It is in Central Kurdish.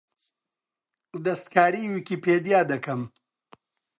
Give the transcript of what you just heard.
دەستکاریی ویکیپیدیا دەکەم.